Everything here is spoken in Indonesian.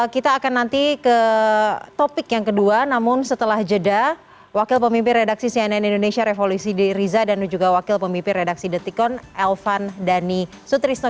kita akan nanti ke topik yang kedua namun setelah jeda wakil pemimpin redaksi cnn indonesia revolusi d riza dan juga wakil pemimpin redaksi detikon elvan dhani sutrisno